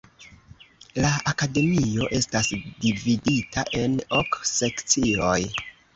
La Akademio estas dividita en ok sekcioj.